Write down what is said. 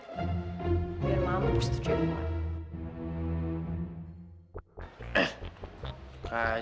biar mampus tuh cewek muat